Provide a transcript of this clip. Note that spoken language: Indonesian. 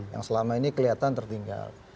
yang selama ini kelihatan tertinggal